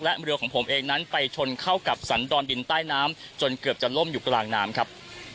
และเรือของผมเองนั้นไปชนเข้ากับสันดอนดินใต้น้ำจนเกือบจะล่มอยู่กลางน้ำครับ